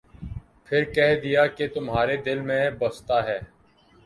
پھر کہہ دیا کہ تمھارے دل میں بستا ہے ۔